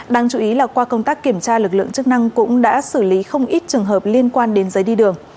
đáng chú ý là qua công tác kiểm tra lực lượng chức năng cũng đã xử lý không ít trường hợp liên quan đến giấy đi đường